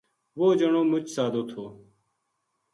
وہ جنو مچ سادو تھو